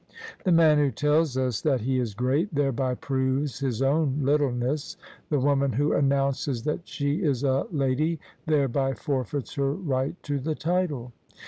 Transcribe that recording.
The man who tells us that he is great, thereby proves his own littleness: the woman who announces that she is a lady, thereby forfeits her right to the title.